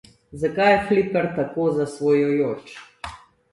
Zakaj je fliper tako zasvojujoč?